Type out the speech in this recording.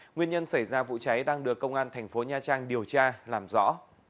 nguyên nhân xảy ra vụ cháy đang được công an tp nha trang điều tra làm rõ